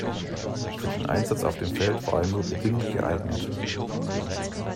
Für den Einsatz auf dem Feld war er nur bedingt geeignet.